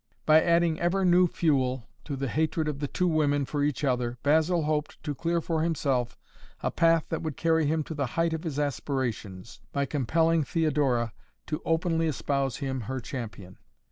By adding ever new fuel to the hatred of the two women for each other Basil hoped to clear for himself a path that would carry him to the height of his aspirations, by compelling Theodora to openly espouse him her champion.